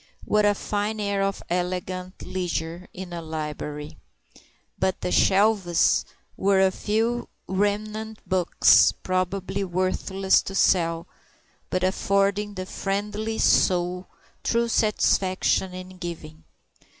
What a fine air of elegant leisure in a library! But the "shelves" were a few remnant books, probably worthless to sell, but affording the friendly soul true satisfaction in giving.